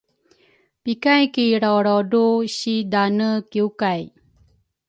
pikay ki lrawlrawdru si daane kiwkay